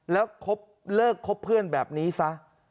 แล้วเลิกคบเพื่อนแบบนี้ซะ